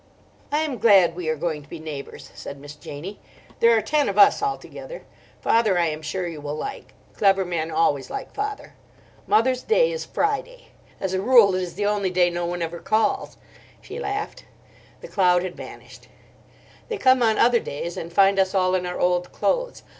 "I am glad we are going to be neighbours," said Miss Janie. "There are ten of us altogether. Father, I am sure, you will like; clever men always like father. Mother's day is Friday. As a rule it is the only day no one ever calls." She laughed. The cloud had vanished. "They come on other days and find us all in our old clothes.